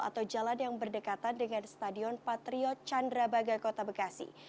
atau jalan yang berdekatan dengan stadion patriot candrabaga kota bekasi